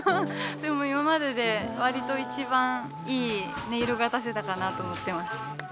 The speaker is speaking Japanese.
でも今までで割と一番いい音色が出せたかなと思ってます。